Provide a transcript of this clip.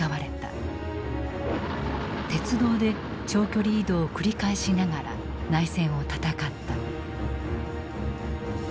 鉄道で長距離移動を繰り返しながら内戦を戦った。